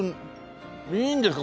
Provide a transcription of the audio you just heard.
いいんですか？